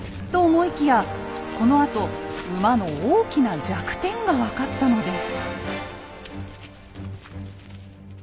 このあと馬の大きな弱点が分かったのです。